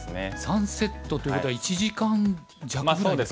３セットということは１時間弱ぐらい。